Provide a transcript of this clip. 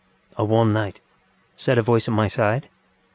ŌĆ£A warm night, ŌĆØ said a voice at my side.